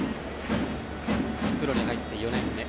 プロに入って４年目。